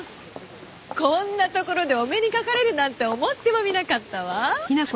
こんな所でお目にかかれるなんて思ってもみなかったわ。